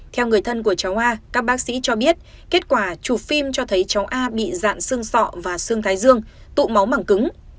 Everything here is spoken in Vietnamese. theo người thân của cháu a các bác sĩ cho biết kết quả chụp phim cho thấy cháu a bị dạn xương sọ và xương thái dương tụ máu mảng cứng